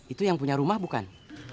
itu yang punya rumah bukan